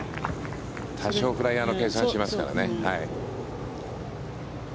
多少、フライヤーの計算をしますからね。